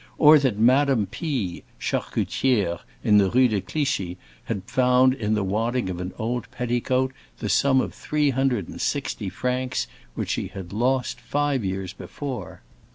or that Madame P—, charcutière in the Rue de Clichy, had found in the wadding of an old petticoat the sum of three hundred and sixty francs, which she had lost five years before.